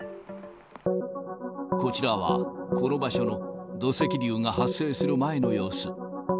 こちらは、この場所の土石流が発生する前の様子。